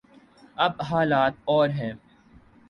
اب حالات اور ہیں۔